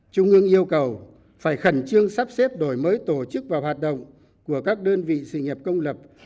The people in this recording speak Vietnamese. trung ương yêu cầu phải khẩn trương sắp xếp đổi mới tổ chức và hoạt động của các đơn vị sự nghiệp công lập